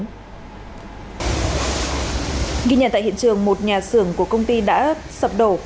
ghi nhận tại hiện trường một nhà xưởng của công ty đã sập đổ